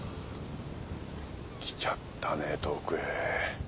来ちゃったね遠くへ。